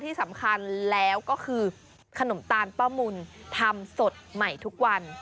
ที่สำคัญแล้วก็คือขนมตาลป้ามุนทำสดใหม่ทุกวัน